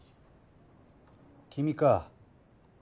君か。